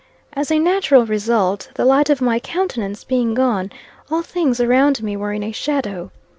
As a natural result, the light of my countenance being gone, all things around me were in a shadow.